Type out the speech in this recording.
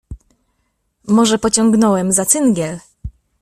"Może pociągnąłem za cyngiel."